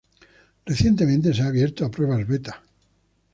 Recientemente se ha abierto a pruebas beta.